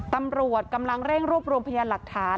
ตำรวจกำลังเร่งรวบรวมพยานหลักฐาน